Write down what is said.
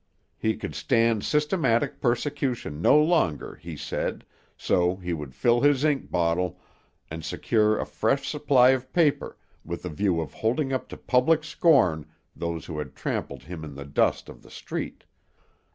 He could stand systematic persecution no longer, he said, so he would fill his ink bottle, and secure a fresh supply of paper, with a view of holding up to public scorn those who had trampled him in the dust of the street.